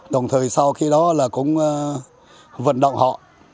đồng thời sau khi đó là cũng vận động họ